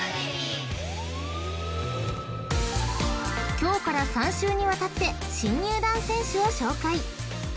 ［今日から３週にわたって新入団選手を紹介］